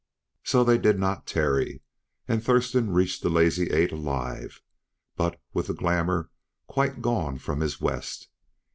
So they did not tarry, and Thurston reached the Lazy Eight alive, but with the glamour quite gone from his West.